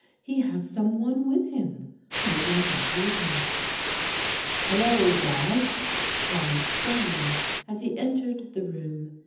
He has some one with him. I wonder who it is?" "Hello, Dad," cried John as he entered the room.